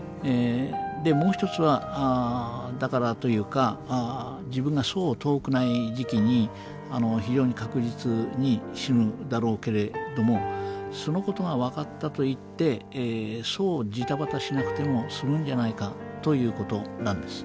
もう一つはだからというか自分がそう遠くない時期に非常に確実に死ぬだろうけれどもそのことが分かったといってそうジタバタしなくても済むんじゃないかということなんです。